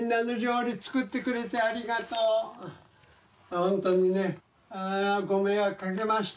本当にねご迷惑かけました。